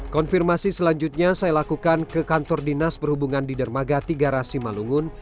konfirmasi selanjutnya saya lakukan ke kantor dinas berhubungan di dermaga tiga rasi malungun